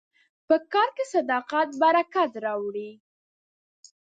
په کار کې صداقت برکت راوړي.